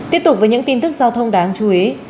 tiếp tục với những tin tức giao thông đáng chú ý